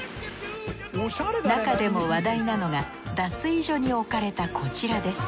中でも話題なのが脱衣所に置かれたこちらです。